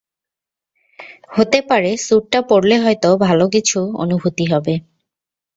হতে পারে, স্যুটটা পরলে হয়তো ভালো কিছু অনুভূতি হবে।